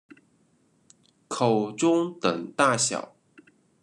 口中等大小。